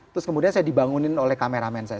terus kemudian saya dibangunin oleh kameramen saya